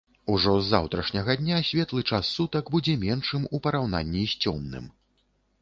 Ужо з заўтрашняга дня светлы час сутак будзе меншым у параўнанні з цёмным.